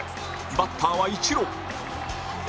バッターはイチロー